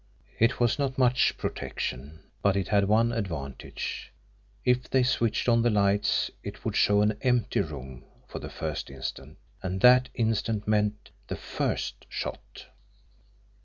It was not much protection, but it had one advantage: if they switched on the lights it would show an EMPTY room for the first instant, and that instant meant the first shot!